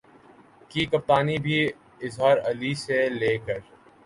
کی کپتانی بھی اظہر علی سے لے کر